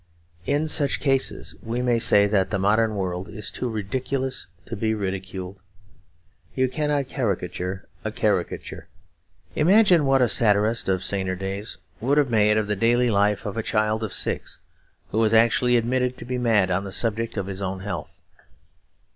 In such cases, we may say that the modern world is too ridiculous to be ridiculed. You cannot caricature a caricature. Imagine what a satirist of saner days would have made of the daily life of a child of six, who was actually admitted to be mad on the subject of his own health.